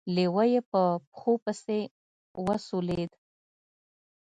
لېوه يې په پښو پسې وسولېد.